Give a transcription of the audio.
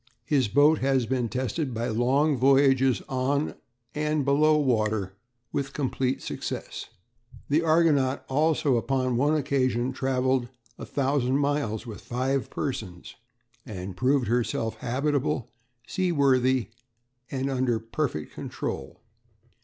His boat has been tested by long voyages on and below water with complete success. The Argonaut also upon one occasion travelled a thousand miles with five persons, and proved herself "habitable, seaworthy, and under perfect control."